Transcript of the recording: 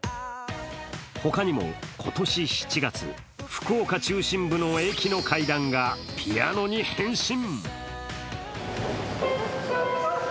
ほかにも、今年７月、福岡中心部の駅の階段がピアノに変身。